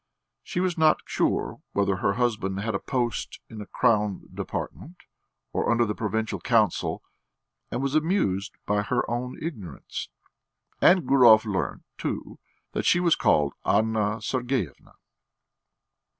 She was not sure whether her husband had a post in a Crown Department or under the Provincial Council and was amused by her own ignorance. And Gurov learnt, too, that she was called Anna Sergeyevna.